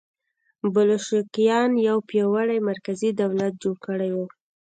بلشویکانو یو پیاوړی مرکزي دولت جوړ کړی و